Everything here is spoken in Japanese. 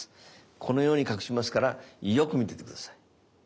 このように隠しますからよく見てて下さい。